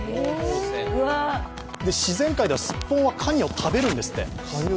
自然界ではすっぽんはかにを食べるんですって。